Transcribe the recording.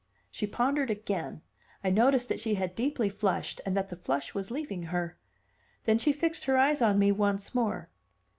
She pondered again. I noticed that she had deeply flushed, and that the flush was leaving her. Then she fixed her eyes on me once more.